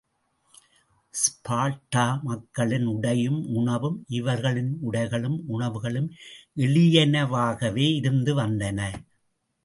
Sparta மக்களின் உடையும் உணவும் இவர்களின் உடைகளும் உணவுகளும் எளியனவாகவே இருந்து வந்தன.